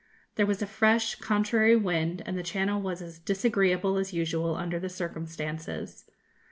There was a fresh contrary wind, and the Channel was as disagreeable as usual under the circumstances.